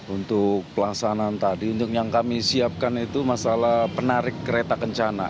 untuk pelaksanaan tadi yang kami siapkan itu masalah penarik kereta kencana